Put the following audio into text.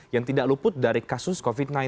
yang tidak luput dari kasus covid sembilan belas